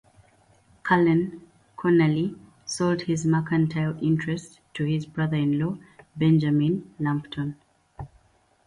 Cullen Conerly sold his mercantile interest to his brother-in-law Benjamin Lampton.